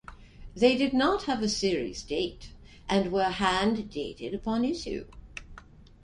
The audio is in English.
They did not have a series date, and were hand-dated upon issue.